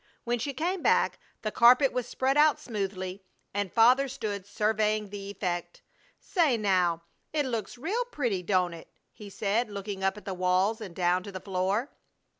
When she came back the carpet was spread out smoothly and Father stood surveying the effect. "Say, now, it looks real pretty, don't it?" he said, looking up at the walls and down to the floor.